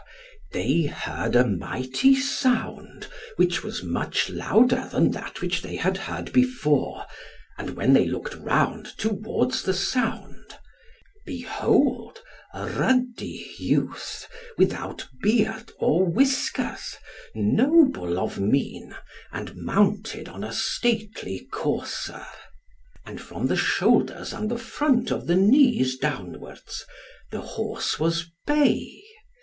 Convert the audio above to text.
they heard a mighty sound which was much louder than that which they had heard before, and when they looked round towards the sound; behold a ruddy youth, without beard or whiskers, noble of mien, and mounted on a stately courser. And from the shoulders and the front of the knees downwards the horse was bay.